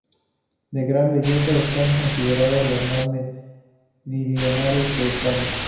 De gran belleza, están consideradas las más meridionales de España.